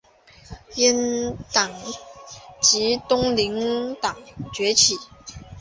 阉党及东林党崛起。